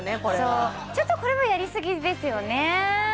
これはそうちょっとこれはやりすぎですよね